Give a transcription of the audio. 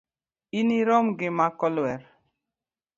Inirom gi makolwer